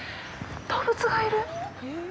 動物がいる！